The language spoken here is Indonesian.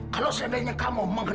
kalau seandainya kamu mengenal